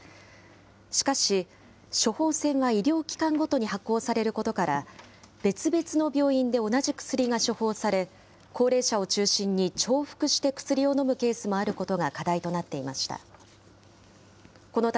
しかし、処方箋は医療機関ごとに発行されることから、別々の病院で同じ薬が処方され、高齢者を中心に重複して薬を飲むケースもあることが課題となっていました。